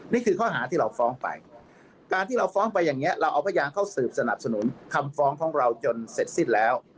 นี่คือข้อหาที่เราฟ้องไปการที่เราฟ้องไปอย่างนี้เราเอาพยานเข้าสืบสนับสนุนคำฟ้องของเราจนเสร็จสิ้นแล้ว